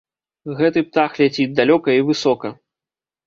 Гэты птах ляціць далёка і высока!